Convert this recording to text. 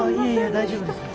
大丈夫ですよ。